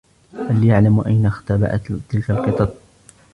هل يعلم أين اختبأت تلك القطط ؟